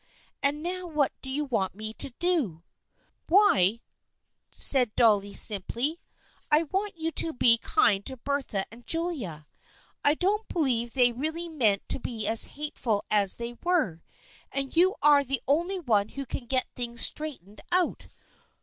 And now what do you want me to do ?"" Why," said Dolly simply, " I want you to be kind to Bertha and Julia. I don't believe they really meant to be as hateful as they were, and you are the only one who can get things straightened out.